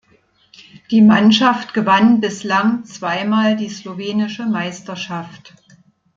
Die Mannschaft gewann bislang zweimal die slowenische Meisterschaft.